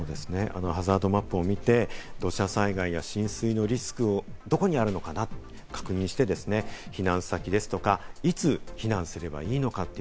ハザードマップを見て土砂災害や浸水のリスクが、どこにあるのかなと確認して、避難先ですとか、いつ避難すればいいのか